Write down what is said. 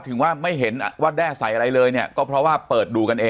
ถึงว่าไม่เห็นว่าแด้ใส่อะไรเลยเนี่ยก็เพราะว่าเปิดดูกันเอง